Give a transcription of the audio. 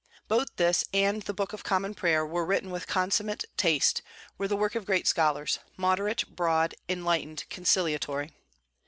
Both this and the book of Common Prayer were written with consummate taste, were the work of great scholars, moderate, broad, enlightened, conciliatory.